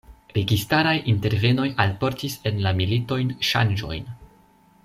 Registaraj intervenoj alportis en la militojn ŝanĝojn.